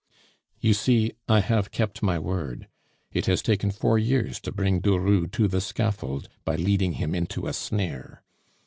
"You see, I have kept my word. It has taken four years to bring Durut to the scaffold by leading him into a snare.